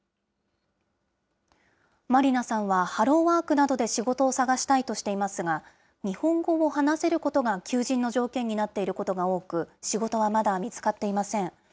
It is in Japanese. マリナさんは、ハローワークなどで仕事を探したいとしていますが、日本語を話せることが求人の条件となっていることが多く、仕事はまだ見つかっていません。